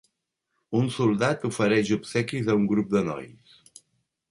Un soldat ofereix obsequis a un grup de nois.